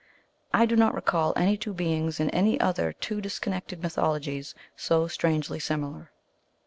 I do not recall any two beings in any other two disconnected mythologies so strangely similar.